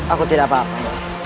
aku tidak apa apa